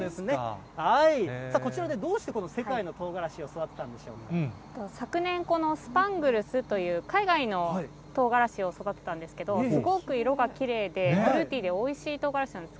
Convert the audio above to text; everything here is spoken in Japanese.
こちらで、どうして世界のとうが昨年、このスパングルスという海外のとうがらしを育てたんですけど、すごく色がきれいで、フルーティーでおいしいとうがらしなんです。